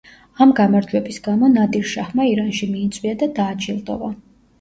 ამ გამარჯვების გამო ნადირ-შაჰმა ირანში მიიწვია და დააჯილდოვა.